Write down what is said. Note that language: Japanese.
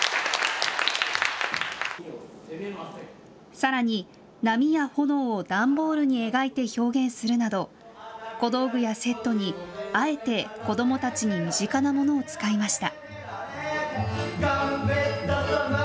さらに波や炎を段ボールに描いて表現するなど小道具やセットにあえて子どもたちに身近なものを使いました。